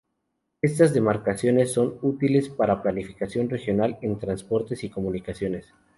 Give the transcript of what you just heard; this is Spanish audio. Estas demarcaciones son útiles para planificación regional en transportes y comunicaciones.